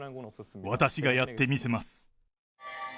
私がやってみせます。